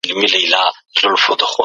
پوهه تر ناپوهۍ ډېره غوره ده.